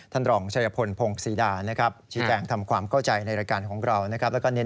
ท่านรองชัยพลพงศรีดานะครับชี้แจงทำความเข้าใจในรายการของเรานะครับ